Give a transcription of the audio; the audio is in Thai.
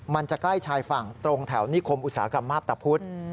มันจะใกล้ชายฝั่งตรงแถวนิคมอุตสาหกรรมมาพตะพุทธ